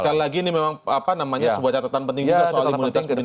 sekali lagi ini memang sebuah catatan penting juga soal imunitas pimpinan kpk ini ya